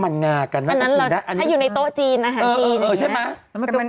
ยำทิพย์